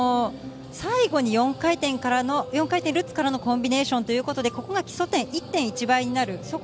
最後に４回転ルッツからのコンビネーションということで、ここが基礎点１．１倍になる。